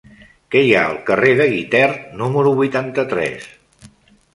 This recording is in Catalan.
Què hi ha al carrer de Guitert número vuitanta-tres?